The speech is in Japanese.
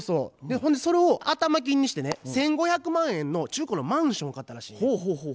ほんでそれを頭金にしてね１，５００万円の中古のマンションを買ったらしいねん。